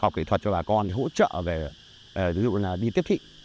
học kỹ thuật cho bà con hỗ trợ về ví dụ là đi tiếp thị